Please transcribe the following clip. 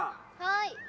はい。